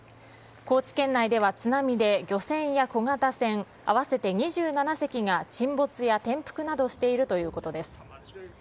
高知県内では津波で漁船や小型船合わせて２７隻が沈没や転覆などしているということです。